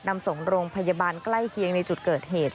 นำส่งโรงพยาบาลใกล้เคียงในจุดเกิดเหตุ